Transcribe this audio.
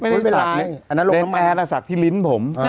เดนแอร์ต้องสักที่ลิ้นผม